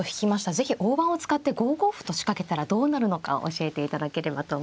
是非大盤を使って５五歩と仕掛けたらどうなるのかを教えていただければと思います。